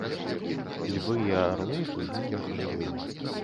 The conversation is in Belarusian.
Львы і арлы былі, як жывыя.